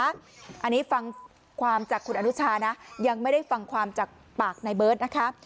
อันนี้ฟังความจากคุณอนุชานะยังไม่ได้ฟังความจากปากนายเบิร์ตนะคะ